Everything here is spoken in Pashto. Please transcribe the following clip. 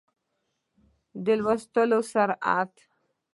د لوستلو سرعت